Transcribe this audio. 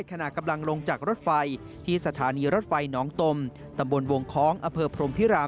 ขณะกำลังลงจากรถไฟที่สถานีรถไฟน้องตมตำบลวงคล้องอำเภอพรมพิราม